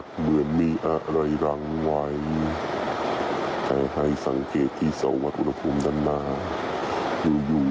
ฟังจากในคลิปนะครับ